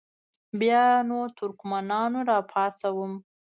بیا نو ترکمنان را پاڅوم.